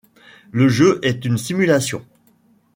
Le jeu est une simulation.